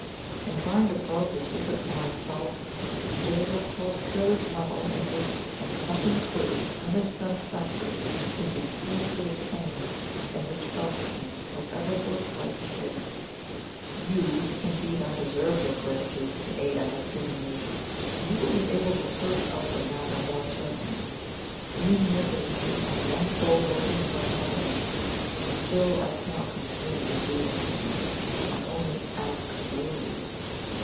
In trying to probe the secret for myself, it is of course purely for my own interest; and nothing clear, nothing satisfactory can be spiritually obtained, in which selfishness has ever so slight a share. You, if indeed I deserve your gratitude for the aid I have given you you will be able to search out the matter more certainly, being in the position of one soul working for another. Still, I cannot compel you to do this for me I only ask, WILL you?"